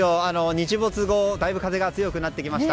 日没後だいぶ風が強くなってきました。